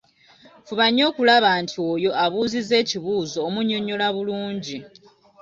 Fuba nnyo okulaba nti oyo abuuzizza ekibuuzo omunnyonnyola bulungi.